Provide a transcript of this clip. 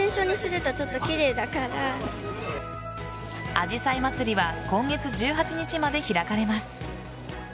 あじさいまつりは今月１８日まで開かれます。